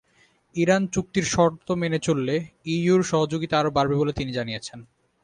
Iran চুক্তির শর্ত মেনে চললে ইইউর সহযোগিতা আরও বাড়বে বলে তিনি জানিয়েছেন।